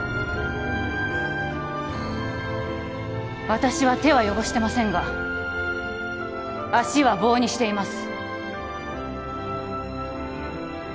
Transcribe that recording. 私は手は汚してませんが足は棒にしています